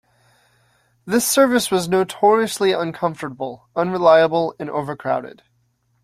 This service was notoriously uncomfortable, unreliable and overcrowded.